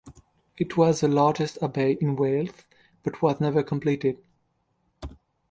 It was the largest Abbey in Wales but was never completed.